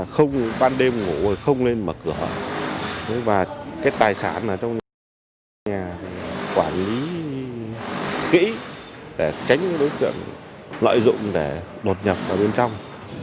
không ban đêm ngủ không lên mở cửa tài sản trong nhà quản lý kỹ để tránh đối tượng lợi dụng để đột nhập vào bên trong